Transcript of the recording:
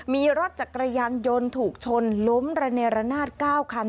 มีรถจักรยานยนต์ถูกชนล้มระเนรนาศ๙คัน